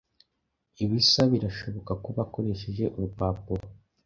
ibisa birashobora kuba ukoresheje urupapuro